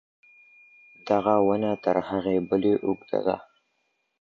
دغه ونه تر هغې بلي اوږده ده.